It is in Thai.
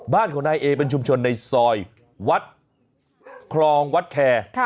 บ้านของนายเอเป็นชุมชนในซอยวัดเคราะห์